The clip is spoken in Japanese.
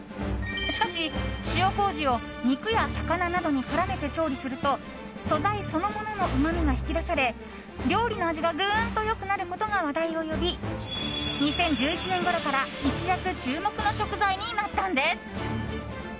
しかし、塩麹を肉や魚などに絡めて調理すると素材そのもののうまみが引き出され料理の味がぐんと良くなることが話題を呼び２０１１年ごろから一躍、注目の食材になったんです。